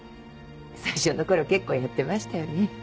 最初の頃結構やってましたよね。